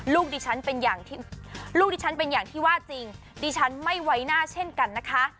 ลูกดิฉันเป็นอย่างที่ว่าจริงดิฉันไม่ไว้หน้าเช่นกันนะคะ